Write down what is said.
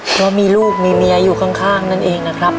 เพราะมีลูกมีเมียอยู่ข้างนั่นเองนะครับ